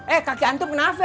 eh kaki antum kenapa